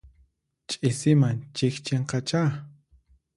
Ch'isiman chikchinqachá.